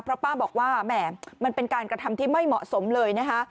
เพราะป้าบอกว่าแหม่มันเป็นการกระทำที่ไม่เหมาะสมเลยนะคะ